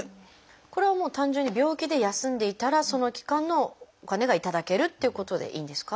これはもう単純に病気で休んでいたらその期間のお金が頂けるっていうことでいいんですか？